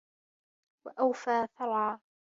وَأَوْفَى فَرْعًا